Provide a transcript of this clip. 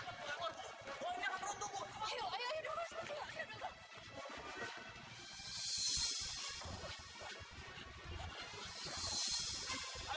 nanti gue ada lagi re hope istri akan participant ya